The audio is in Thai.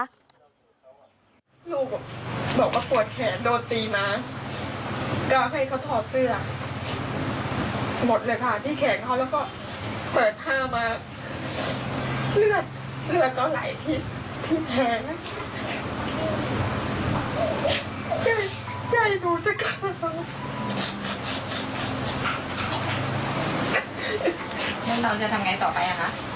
แล้วเราจะทำอย่างไรต่อไปล่ะคะ